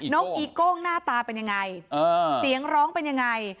อีโก้งหน้าตาเป็นยังไงเสียงร้องเป็นยังไง